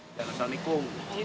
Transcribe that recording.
jangan kesal mikung